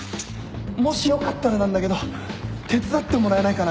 もしよかったらなんだけど手伝ってもらえないかな？